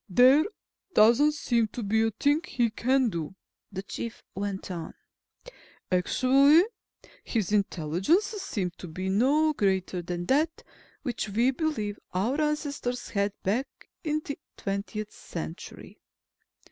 "There doesn't seem to be a thing he can do," the Chief went on. "Actually, his intelligence seems to be no greater than that which we believe our ancestors had, back in the twentieth century."